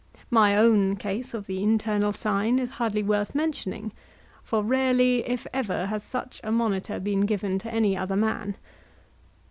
My own case of the internal sign is hardly worth mentioning, for rarely, if ever, has such a monitor been given to any other man.